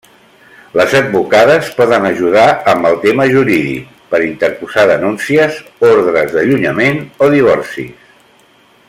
Les advocades poden ajudar amb el tema jurídic, per interposar denúncies, ordres d'allunyament o divorcis.